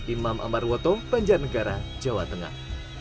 imam ambar woto banjarnegara jawa tengah